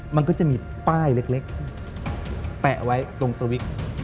มันก็จะมีป้ายเล็กแปะไว้ตรงสวิก